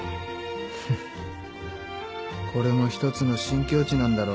フッこれも一つの新境地なんだろうよ。